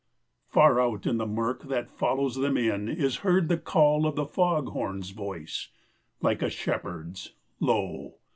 Far out in the murk that follows them in Is heard the call of the fog horn's voice, Like a shepherd's low.